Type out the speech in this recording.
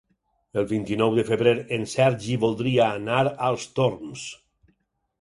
El vint-i-nou de febrer en Sergi voldria anar als Torms.